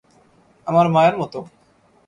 আমার মায়ের মতো!